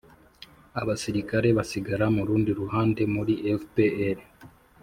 abasirikare basigara mu rundi ruhande muri fpr